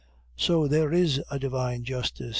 "So there is a Divine Justice!"